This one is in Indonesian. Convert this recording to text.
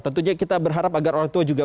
tentunya kita berharap agar orang tua juga